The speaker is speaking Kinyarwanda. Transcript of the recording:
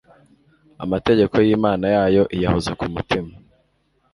amategeko y'imana yayo iyahoza ku mutima